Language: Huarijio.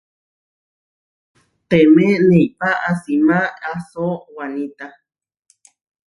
Temé neipá asimá assó wanita.